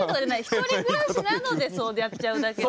一人暮らしなのでそうやっちゃうだけで。